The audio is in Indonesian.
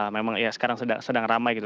memang ya sekarang sedang ramai gitu